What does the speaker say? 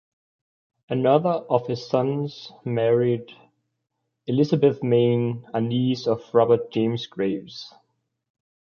Another of his sons married Elizabeth Mayne, a niece of Robert James Graves.